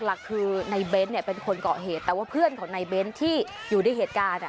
หลักคือในเบ้นเนี่ยเป็นคนเกาะเหตุแต่ว่าเพื่อนของในเบ้นที่อยู่ในเหตุการณ์